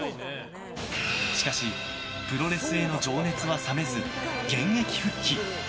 しかしプロレスへの情熱は冷めず現役復帰。